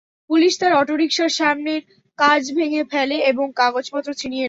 Police তাঁর অটোরিকশার সামনের কাচ ভেঙে ফেলে এবং কাগজপত্র ছিনিয়ে নেয়।